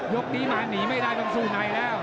ยกนี้มาหนีไม่ได้ต้องสู้ในแล้ว